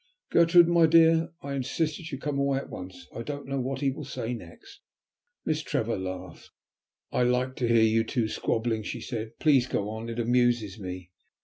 "Gertrude, my dear, I insist that you come away at once. I don't know what he will say next." Miss Trevor laughed. "I like to hear you two squabbling," she said. "Please go on, it amuses me!"